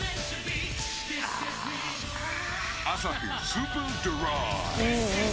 アサヒスーパードライ。